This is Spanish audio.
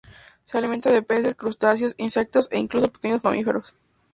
Se alimenta de peces, crustáceos, insectos e incluso pequeños mamíferos.